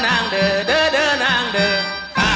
ตังตังตังตัง